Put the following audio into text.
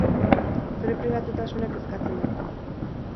Zure pribatutasunak kezkatzen gaitu